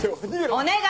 お願い！